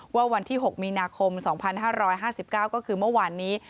วันที่๖มีนาคม๒๕๕๙ก็คือเมื่อวานนี้